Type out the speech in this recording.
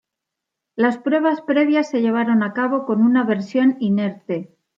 Las pruebas previas se llevaron a cabo con una versión inerte.